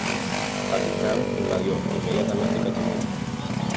Pakistán invadió inmediatamente Cachemira.